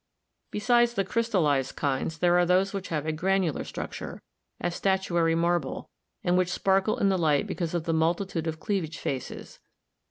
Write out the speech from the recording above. Besides the crystallized kinds there are those which have a granular struture, as statuary marble, and which sparkle in the light because of the multitude of cleavage faces.